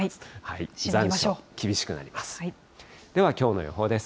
残暑、厳しくなります。